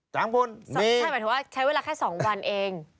ใช่หมายถึงว่าใช้เวลาแค่สองวันเอง